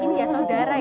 iya saudara ya